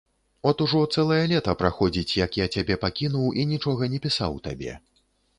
От ужо цэлае лета праходзіць, як я цябе пакінуў і нічога не пісаў табе.